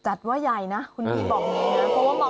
จัดว่าใหญ่นะคุณพี่บอกอย่างนี้นะ